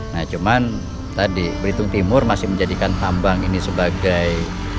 nah cuman tadi belitung timur masih menjadikan tambang ini sebagai